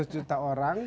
seratus juta orang